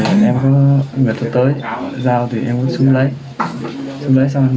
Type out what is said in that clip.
rồi em có người tên tới giao thì em cũng xuống lấy xuống lấy xong mang lên